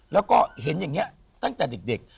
แล้วก็เห็นอย่างนี้ตั้งแต่เด็ก